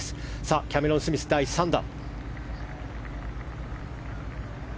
キャメロン・スミス、第３打。